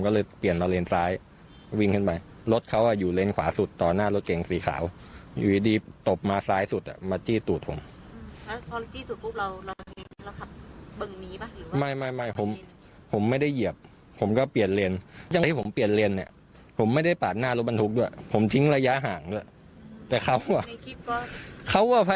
ก็เลยเปลี่ยนเราเลนซ้ายวิ่งขึ้นไปรถเขา่ะอยู่เลนขวาสุดต่อหน้ารถแกงสีขาว